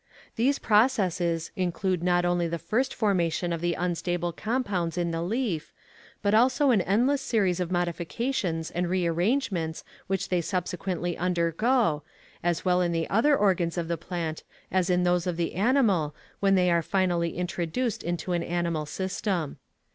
These processes include not only the first formation of the unstable compounds in the leaf, but also an endless series of modifications and re arrangements which they subsequently undergo, as well in the other organs of the plant as in those of the animal when they are finally introduced into an animal system.